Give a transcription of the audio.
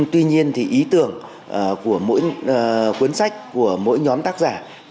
tuy nhiên thì ý tưởng của mỗi cuốn sách của mỗi nhóm tác giả